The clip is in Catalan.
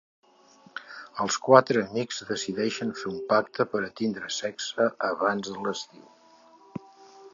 Els quatre amics decideixen fer un pacte per a tindre sexe abans de l'estiu.